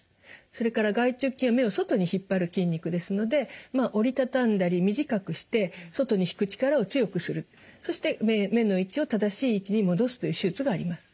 それから外直筋は目を外に引っ張る筋肉ですのでまあ折りたたんだり短くして外に引く力を強くするそして目の位置を正しい位置に戻すという手術があります。